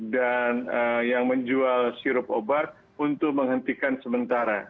dan yang menjual sirup obat untuk menghentikan sementara